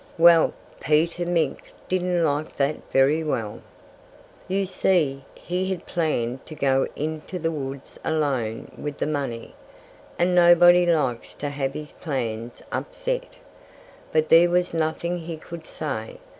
Well, Peter Mink didn't like that very well. You see, he had planned to go into the woods alone with the money. And nobody likes to have his plans upset. But there was nothing he could say.